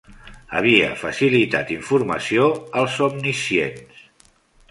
Havia facilitat informació als omniscients.